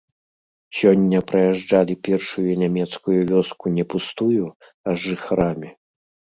Сёння праязджалі першую нямецкую вёску не пустую, а з жыхарамі.